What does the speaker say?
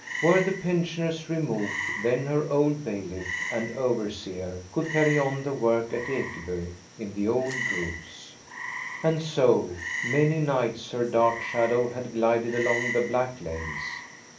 Were the pensioners removed, then her old bailiff and overseer could carry on the work at Ekeby in the old grooves. And so, many nights her dark shadow had glided along the black lanes.